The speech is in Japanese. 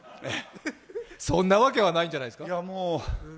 そんなわけはないんじゃないですか？